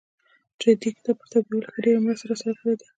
چي ددې کتاب په ترتيبولو کې يې ډېره مرسته راسره کړې ده.